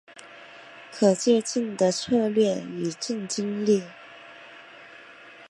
可借镜的策略与竞争力